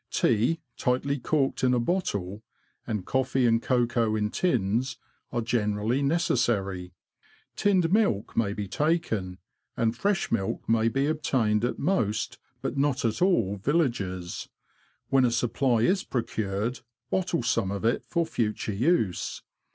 Tea tightly corked in a bottle, and coffee and cocoa in tins, are generally necessary. Tinned milk may be taken, and fresh milk may be obtained at most, but not at all, villages ; when a supply is procured, bottle some of it for future use.